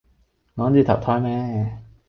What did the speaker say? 趕住投胎咩